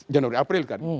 januari april kan